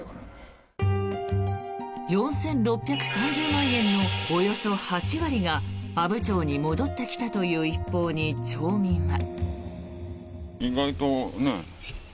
４６３０万円のおよそ８割が阿武町に戻ってきたという一報に町民は。